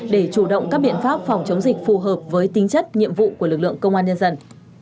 để chủ động các biện pháp phòng chống dịch phù hợp với tính chất nhiệm vụ của lực lượng công an nhân dân